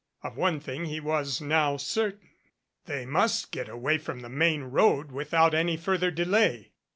Of one thing he was now certain. They must get away from the main road without any further delay.